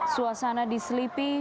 satu jam berlalu